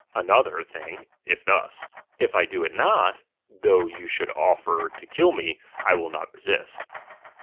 Another thing, if thus : if I do it not, though you should offer to kill me, I wiU Dot resist.